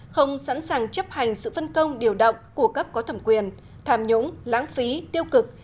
không sẵn sàng chấp hành sự phân công điều động của cấp có thẩm quyền tham nhũng lãng phí tiêu cực